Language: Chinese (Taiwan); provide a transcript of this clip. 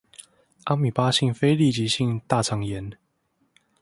阿米巴性非痢疾性大腸炎